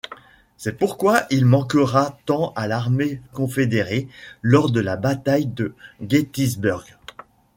C'est pourquoi il manquera tant à l'armée confédérée lors de la bataille de Gettysburg.